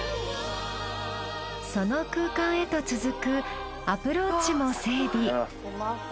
その空間へと続くアプローチも整備。